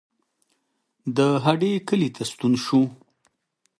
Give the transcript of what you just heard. د هډې کلي ته ستون شو.